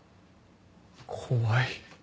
怖い。